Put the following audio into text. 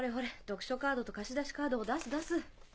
読書カードと貸出カードを出す出す。